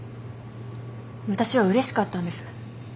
私はうれしかったんです。